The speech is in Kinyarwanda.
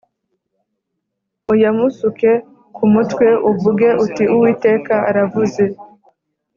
uyamusuke ku mutwe uvuge uti Uwiteka aravuze